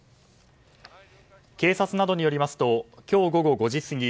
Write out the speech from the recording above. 警察などによりますと今日午後５時過ぎ